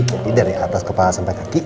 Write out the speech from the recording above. jadi dari atas kepala sampai kaki